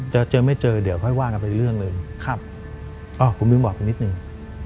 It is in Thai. จะเจอไม่เจอเดี๋ยวค่อยว่ากันเป็นเรื่องหนึ่งอ้อผมลืมบอกไปนิดหนึ่ง